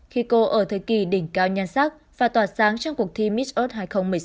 khi cô ở thời kỳ đỉnh cao nhan sắc và tỏa sáng trong cuộc thi miss earth hai nghìn một mươi sáu